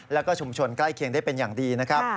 แล้วก็ชุมชนใกล้เคียงได้เป็นอย่างดีนะครับ